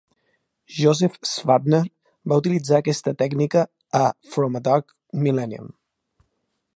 Joseph Schwantner va utilitzar aquesta tècnica a "From A Dark Millennium".